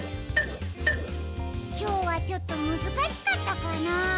きょうはちょっとむずかしかったかな？